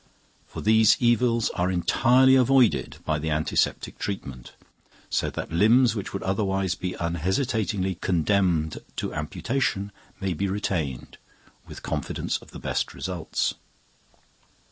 For these evils are entirely avoided by the antiseptic treatment, so that limbs which would otherwise be unhesitatingly condemned to amputation may be retained, with confidence of the best results.